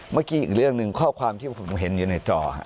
อีกเรื่องหนึ่งข้อความที่ผมเห็นอยู่ในจอ